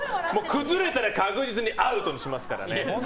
崩れたら確実にアウトにしますからね。